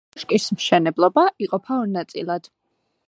კოშკის მშენებლობა იყოფა ორ ნაწილად.